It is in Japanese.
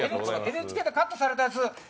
ＮＨＫでカットされたやつ。